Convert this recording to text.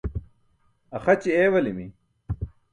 Axaći eewalimi.